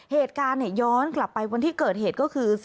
เหตุการณ์ย้อนกลับไปวันที่เกิดเหตุก็คือ